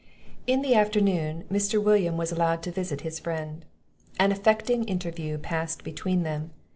In the afternoon Mr. William was allowed to visit his friend. An affecting interview passed between them.